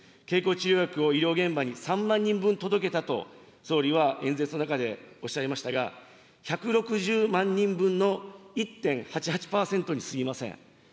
経口治療薬を医療現場に３万人分届けたと、総理は演説の中でおっしゃいましたが、１６０万人分の１．８８％にすぎません。